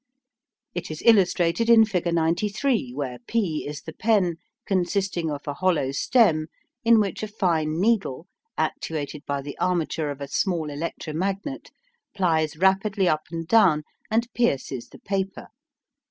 It is illustrated in figure 93, where P is the pen, consisting of a hollow stem in which a fine needle actuated by the armature of a small electromagnet plies rapidly up and down and pierces the paper.